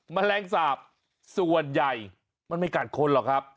แมลงสาปส่วนใหญ่มันไม่กัดคนหรอกครับ